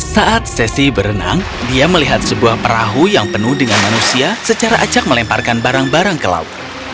saat sesi berenang dia melihat sebuah perahu yang penuh dengan manusia secara acak melemparkan barang barang ke laut